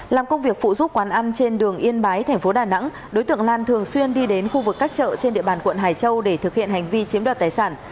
làm công việc phụ giúp quán ăn trên đường yên bái tp đà nẵng đối tượng lan thường xuyên đi đến khu vực các chợ trên địa bàn quận hải châu để thực hiện hành vi chiếm đoạt tài sản